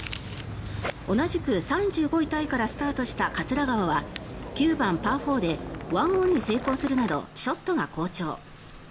同じく３５位タイからスタートした桂川は９番、パー４で１オンに成功するなどショットが好調。